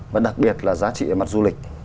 và đặc biệt là giá trị về mặt du lịch